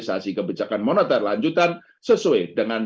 pada menjambo west korea untuk penglihatan